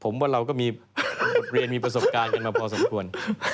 ผมว่าเราก็มีบทเรียนมีประสบการณ์กันมาพอสมควร